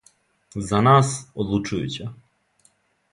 За нас одлучујућа.